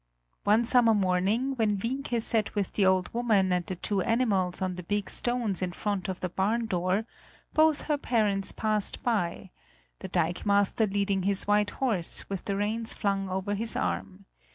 One summer morning, when Wienke sat with the old woman and the two animals on the big stones in front of the barn door, both her parents passed by the dikemaster leading his white horse, with the reins flung over his arm.